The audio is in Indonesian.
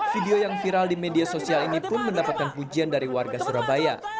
video yang viral di media sosial ini pun mendapatkan pujian dari warga surabaya